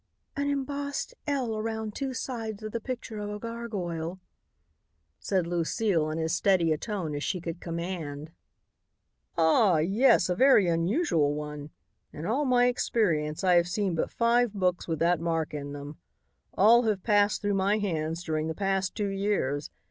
"An embossed 'L' around two sides of the picture of a gargoyle," said Lucile in as steady a tone as she could command. "Ah! yes, a very unusual one. In all my experience I have seen but five books with that mark in them. All have passed through my hands during the past two years.